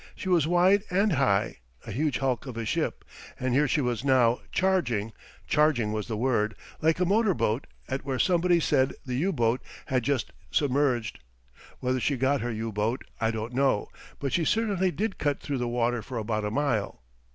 She was wide and high, a huge hulk of a ship, and here she was now charging charging was the word like a motor boat at where somebody said the U boat had just submerged. Whether she got her U boat, I don't know; but she certainly did cut through the water for about a mile.